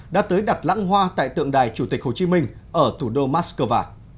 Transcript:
đã tới đặt lãng hoa tại tượng đài chủ tịch hồ chí minh ở thủ đô moscow